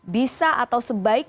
bisa atau sebaik